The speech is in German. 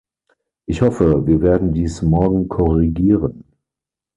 Ich hoffe, wir werden dies morgen korrigieren.